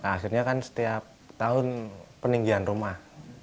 akhirnya kan setiap tahun peninggian rumah